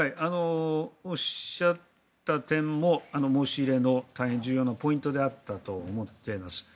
おっしゃった点も申し入れの大変重要なポイントであったと思っています。